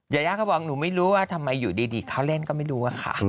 ยายาก็บอกหนูไม่รู้ว่าทำไมอยู่ดีเขาเล่นก็ไม่รู้อะค่ะ